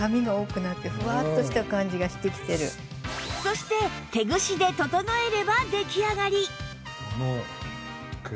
そして手ぐしで整えれば出来上がり